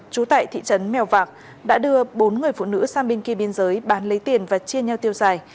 chú tệ thị trấn mèo vạc đã đưa bốn người phụ nữ sang bên kia biên giới bán lấy tiền và chia nhau tiêu giải